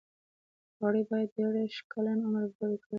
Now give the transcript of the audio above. غړي باید دیرش کلن عمر پوره کړی وي.